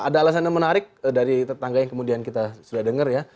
ada alasan yang menarik dari tetangga yang kemudian kita sudah dengar ya